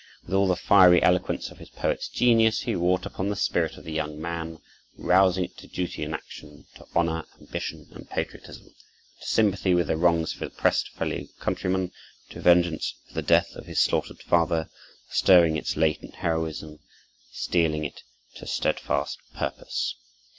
With all the fiery eloquence of his poet's genius, he wrought upon the spirit of the young man, rousing it to duty and action, to honor, ambition, and patriotism, to sympathy with the wrongs of his oppressed fellow countrymen, to vengeance for the death of his slaughtered father, stirring its latent heroism, steeling it to steadfast purpose.